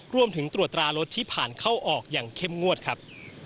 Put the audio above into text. รวมถึงตรวจตรารถที่ผ่านเข้าออกอย่างเข้มงวดครับ